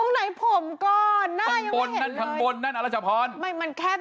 ดูข้างบนนั่นเห็นไหม